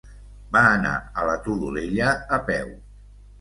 Va anar a la Todolella a peu.